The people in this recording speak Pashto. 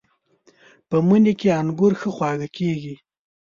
په مني کې انګور ښه خواږه کېږي.